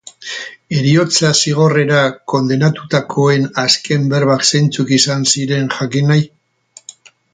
Heriotza zigorrera kondenatutakoen azken berbak zeintzuk izan ziren jakin nahi?